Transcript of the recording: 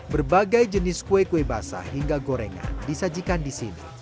berbagai jenis kue kue basah hingga gorengan disajikan di sini